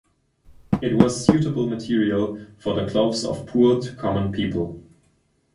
It was suitable material for the clothes of poor to common people.